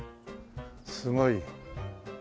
すごい。